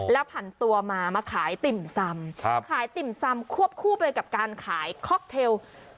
แล้วผันตัวมามาขายติ่มซำขายติ่มซำควบคู่ไปกับการขายค็อกเทล